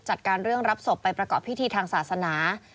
จัดการเรื่องรับศพไปประกอบพิธีทางศาสนา